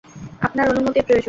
আপনার অনুমতির প্রয়োজন।